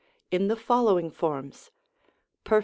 in the following forms : Perf.